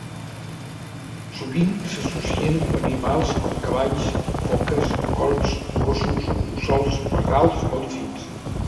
Sovint, s'associen amb animals com cavalls, foques, corbs, gossos, mussols, pardals, o dofins.